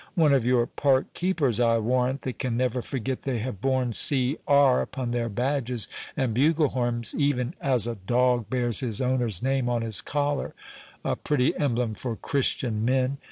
One of your park keepers, I warrant, that can never forget they have borne C. R. upon their badges and bugle horns, even as a dog bears his owner's name on his collar—a pretty emblem for Christian men!